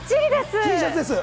Ｔシャツです。